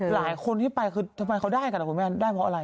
หลายคนที่ไปคือทำไมเขาได้กันนะคุณแม่ได้เพราะอะไร